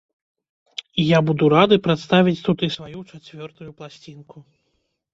І я буду рады прадставіць тут і сваю чацвёртую пласцінку.